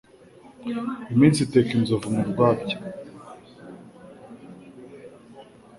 Iminsi iteka inzovu mu rwabya